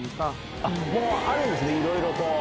もうあるんですね、いろいろと。